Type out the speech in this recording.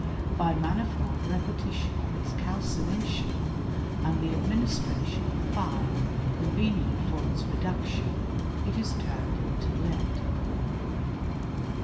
By manifold repetition of its calcination, and the ad ministration of fire convenient for its reduction, it is turned into lead.